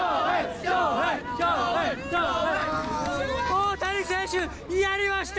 大谷選手、やりました！